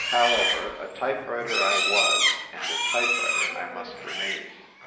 However, a type writer I was, and a type writer I must remain.